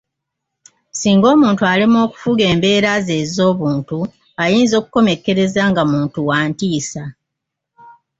Singa omuntu alemwa okufuga embeera ze ez'obuntu ayinza okukomekkereza nga muntu wa ntiisa